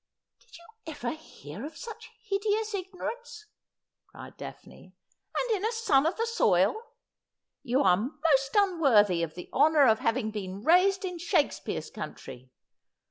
Did you ever hear of such hideous ignorance ?' cried Daphne, ' and in a son of the soil. You are most unworthy of the honour of having been raised in Shakespeare's country.